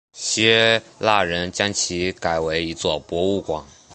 希腊人将其改为一座博物馆。